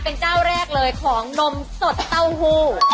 เป็นเจ้าแรกเลยของนมสดเต้าหู้